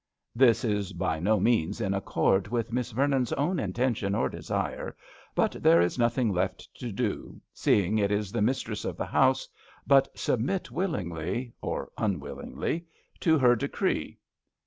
This is by no means in accord with Miss Vernon's own inten tion or desire, but there is nothing left to do — seeing it is the mis tress of the house — but submit willingly, or unwillingly, to her decree.